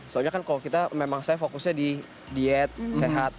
soalnya kan kalau kita memang saya fokusnya di diet sehat